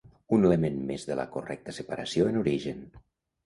Un element més de la correcta separació en origen.